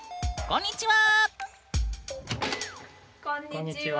こんにちは！